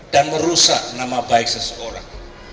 dan merusak nama baik seseorang